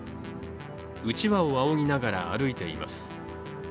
うちわを仰ぎながら歩いています。